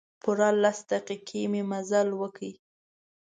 پوره لس دقیقې مې مزل وکړ.